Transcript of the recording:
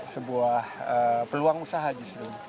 sebuah peluang usaha justru